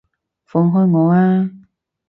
放開我啊！